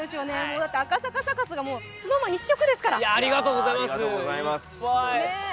赤坂サカスがＳｎｏｗＭａｎ一色ですから。